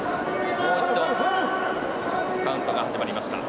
もう一度カウントが始まりました。